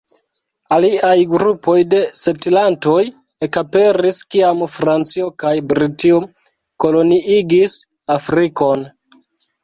Aliaj grupoj de setlantoj ekaperis kiam Francio kaj Britio koloniigis Afrikon.